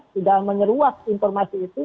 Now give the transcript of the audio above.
tidak menyeruas informasi itu